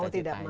mau tidak mau